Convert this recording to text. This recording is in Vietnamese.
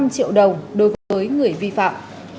năm triệu đồng đối với người vi phạm